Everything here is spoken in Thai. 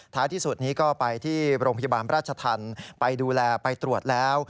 ที่สุดนี้ก็ไปที่โรงพยาบาลราชธรรมไปดูแลไปตรวจแล้ว